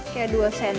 kayak dua cm